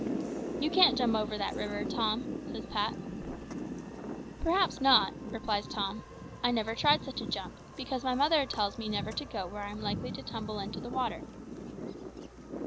"You can't jump over that river, Tom," says Pat. "Perhaps not," replies Tom: "I never tried such a jump, because my mother tells me never to go where I am likely to tumble into the water."